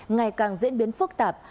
ngày càng diễn biến phức tạp